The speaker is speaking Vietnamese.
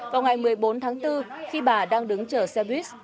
vào ngày một mươi bốn tháng bốn khi bà đang đứng chở xe buýt